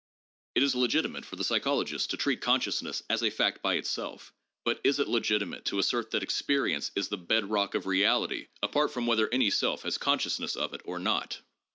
' It is legitimate for the psychologist to treat consciousness as a fact by itself, but is it legitimate to assert that experience is the bed rock of reality apart from whether any self has consciousness of it or not?